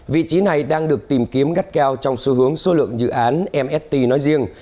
vị trí này đang được tìm kiếm gắt cao trong xu hướng số lượng dự án mst nói riêng